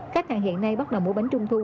khách hàng hiện nay bắt đầu mua bánh trung thu